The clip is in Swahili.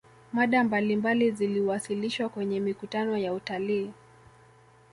mada mbalimbali ziliwasilishwa kwenye mikutano ya utalii